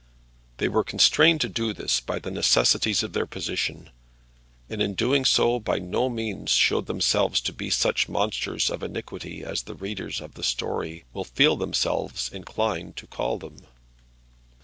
They were constrained to do this by the necessities of their position; and in doing so by no means showed themselves to be such monsters of iniquity as the readers of the story will feel themselves inclined to call them.